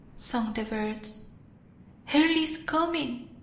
sung the birds. "Earle is coming!"